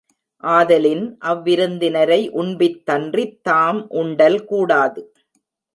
ஆதலின், அவ்விருந்தினரை உண்பித்தன்றித் தாம் உண்டல் கூடாது.